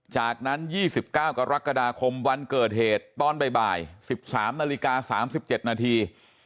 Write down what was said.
จากนั้น๒๙กรกฎาคมวันเกิดเหตุตอนบ่าย๑๓นาฬิกา๓๗นาที